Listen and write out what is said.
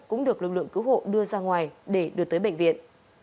cũng được lực lượng cứu hộ đưa ra ngoài để đưa tới bệnh viện